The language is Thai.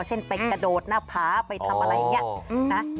เช่นไปกระโดดหน้าผาไปทำอะไรอย่างนี้นะ